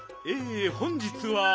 え本日は。